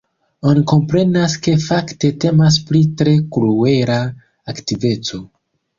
Oni komprenas, ke fakte temas pri tre kruela aktiveco.